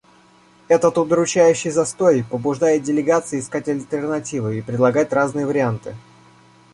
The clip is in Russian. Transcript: Этот удручающий застой побуждает делегации искать альтернативы и предлагать разные варианты.